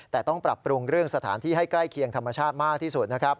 แต่ต้องปรับปรุงเรื่องสถานที่ให้ใกล้เคียงธรรมชาติมากที่สุดนะครับ